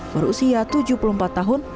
berusia tujuh puluh empat tahun